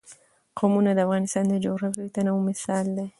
قومونه د افغانستان د جغرافیوي تنوع مثال دی.